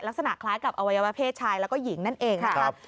ลักษณะคล้ายกับอวัยวะเพศชายแล้วก็หญิงนั่นเองนะครับ